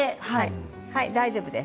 大丈夫です。